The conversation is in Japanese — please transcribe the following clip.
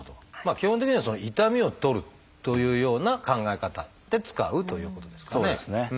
基本的には痛みを取るというような考え方で使うということですかね。